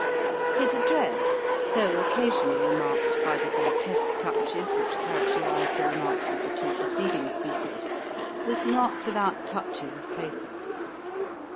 His address, though occasionally marked by the grotesque touches which characterised the remarks of the two preceding speakers, was not without touches of pathos.